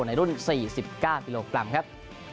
ในรุ่น๔๙กิโลกรัมครับ